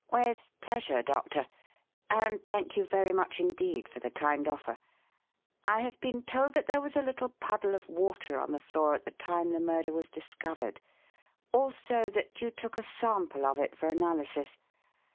"With pleasure, Doctor, and thank you very much indeed for the kind offer. I have been told that there was a little puddle of water on the floor at the time the murder was discovered, also that you took a sample of it for analysis.